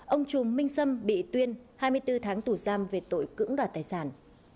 ông chùm minh sâm bị tuyên hai mươi bốn tháng tù giam về tội cưỡng đoạt tài sản